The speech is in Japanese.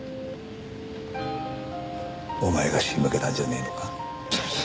お前が仕向けたんじゃねえのか？